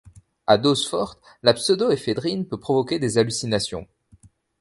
À dose forte, la pseudoéphédrine peut provoquer des hallucinations.